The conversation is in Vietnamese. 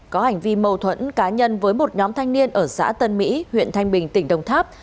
có hành vi mâu thuẫn cá nhân với một nhóm thanh niên ở xã tân mỹ huyện thanh bình tỉnh đồng tháp